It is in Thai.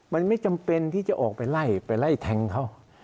มันไม่จำเป็นที่จะออกไปไล่ไปไล่แทงเขา